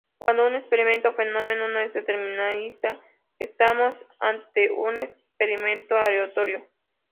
Cuando un experimento o fenómeno no es determinista estamos ante un experimento aleatorio.